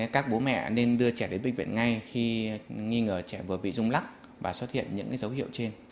các bố mẹ nên đưa trẻ đến bệnh viện ngay khi nghi ngờ trẻ vừa bị rung lắc và xuất hiện những dấu hiệu trên